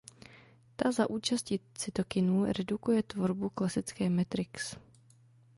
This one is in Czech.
Ta za účasti cytokinů redukuje tvorbu klasické matrix.